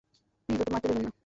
Please, ওকে মরতে দেবেন না!